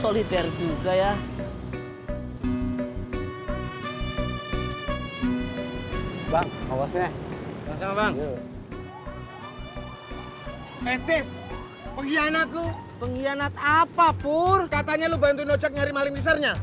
lo malah narik